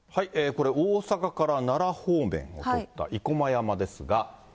これ、大阪から奈良方面を撮った生駒山ですが。